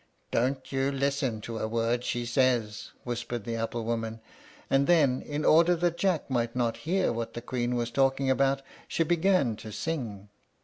"Don't you listen to a word she says," whispered the apple woman; and then, in order that Jack might not hear what the Queen was talking about, she began to sing.